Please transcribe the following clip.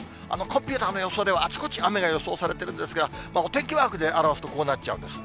コンピューターの予想では、あちこち雨が予想されてるんですが、お天気マークで表すとこうなっちゃうんです。